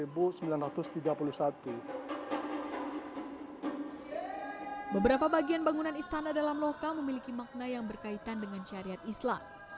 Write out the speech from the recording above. beberapa bagian bangunan istana dalam lokal memiliki makna yang berkaitan dengan syariat islam